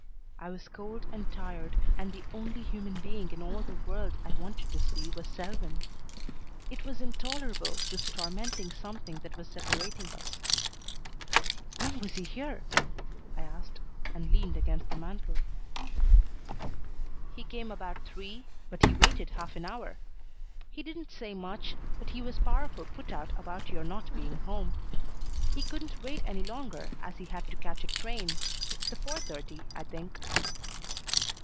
I was cold and tired, and the only human being in all the world I wanted to see was Selwyn. It was intolerable, this tormenting something that was separating us. "When was he here?" I asked, and leaned against the mantel. "He came about three, but he waited half an hour. He didn't say much, but he was powerful put out about your not being home. He couldn't wait any longer, as he had to catch a train the four thirty, I think."